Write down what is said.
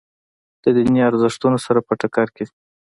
د دیني ارزښتونو سره په ټکر کې دي.